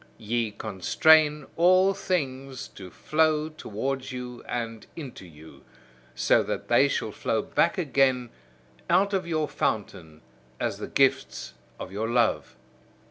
Ye constrain all things to flow towards you and into you, so that they shall flow back again out of your fountain as the gifts of your love.